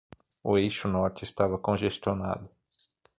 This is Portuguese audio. O eixo norte estava congestionado.